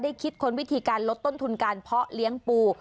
คิดค้นวิธีการลดต้นทุนการเพาะเลี้ยงปู